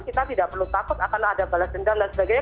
kita tidak perlu takut akan ada balas dendam dan sebagainya